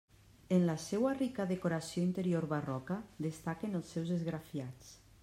En la seua rica decoració interior barroca, destaquen els seus esgrafiats.